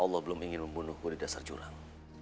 allah belum ingin membunuhku di dasar jurang